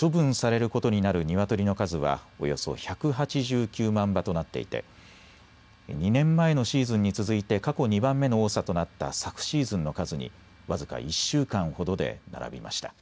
処分されることになるニワトリの数はおよそ１８９万羽となっていて２年前のシーズンに続いて過去２番目の多さとなった昨シーズンの数に僅か１週間ほどで並びました。